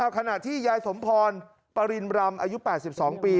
ขณะที่ยายสมพรปริณรำอายุ๘๒ปี